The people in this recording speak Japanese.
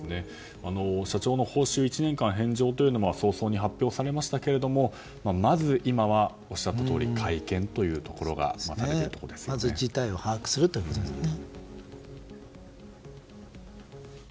社長の報酬１年間返上というのも早々に発表されましたけれどもまず今はおっしゃったとおり会見というところがまず事態を把握するというところですね。